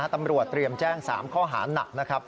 ตำรวจเตรียมแจ้ง๓ข้อหาหนัก